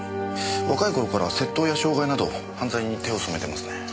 若い頃から窃盗や傷害など犯罪に手を染めてますね。